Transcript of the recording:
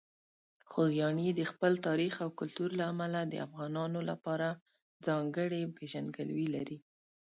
خوږیاڼي د خپل تاریخ او کلتور له امله د افغانانو لپاره ځانګړې پېژندګلوي لري.